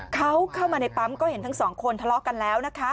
เขาเข้ามาในปั๊มก็เห็นทั้งสองคนทะเลาะกันแล้วนะคะ